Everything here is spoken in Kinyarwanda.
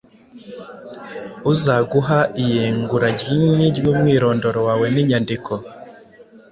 uzaguha ieengura ryinhi ryumwirondoro wawe ninyandiko